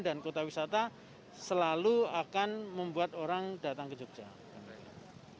dan kota wisata selalu akan membuat orang datang ke yogyakarta